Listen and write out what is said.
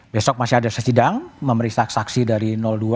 besok masih ada sesidang memeriksa saksi dari dua